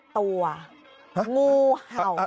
ตัวงูเห่า